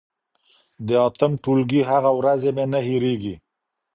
د اتم ټولګي هغه ورځې مي نه هېرېږي.